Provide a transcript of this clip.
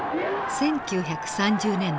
１９３０年代。